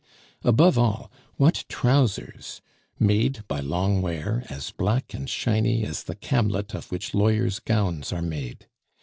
Above all, what trousers! made, by long wear, as black and shiny as the camlet of which lawyers' gowns are made!